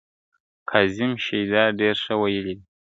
کاظم شیدا ډېرښه ویلي دي !.